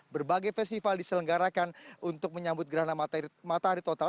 berbagai festival diselenggarakan untuk menyambut gerhana matahari total